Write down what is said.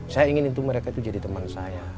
saya ingin itu mereka itu jadi teman saya